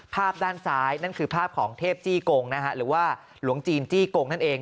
ภาพด้านซ้ายนั่นคือภาพของเทพจี้กงนะฮะหรือว่าหลวงจีนจี้กงนั่นเอง